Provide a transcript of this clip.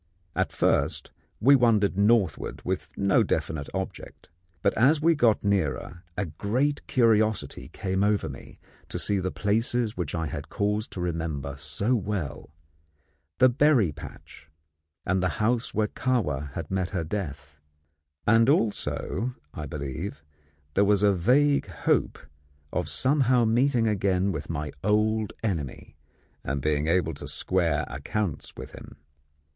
At first we wandered northward with no definite object, but as we got nearer a great curiosity came over me to see the places which I had cause to remember so well the berry patch and the house where Kahwa had met her death; and also, I believe, there was a vague hope of somehow meeting again my old enemy and being able to square accounts with him.